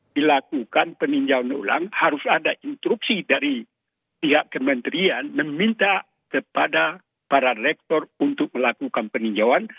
dilakukan peninjauan ulang harus ada instruksi dari pihak kementerian meminta kepada para rektor untuk melakukan peninjauan